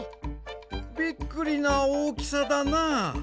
びっくりなおおきさだな！